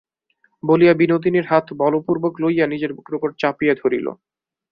বলিয়া বিনোদিনীর হাত বলপূর্বক লইয়া নিজের বুকের উপর চাপিয়া ধরিল।